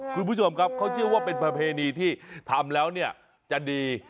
คุณผู้ชมครับเขาเชื่อว่าเป็นประเพณีที่ทำแล้วเนี่ยจะดี